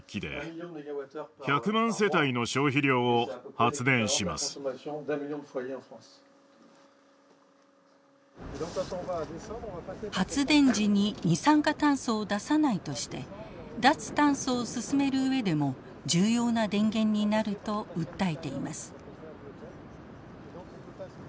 発電時に二酸化炭素を出さないとして脱炭素を進める上でも重要な電源になると訴えています。